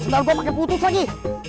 sedar gue pake putus lagi